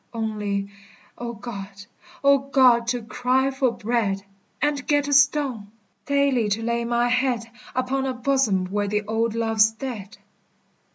Only O God, O God, to cry for bread. And get a stone! Daily to lay my head Upon a bosom where the old love's dead!